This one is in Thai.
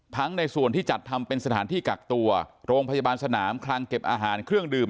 ในส่วนที่จัดทำเป็นสถานที่กักตัวโรงพยาบาลสนามคลังเก็บอาหารเครื่องดื่ม